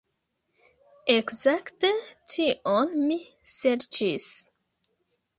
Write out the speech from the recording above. Ekzakte tion mi serĉis.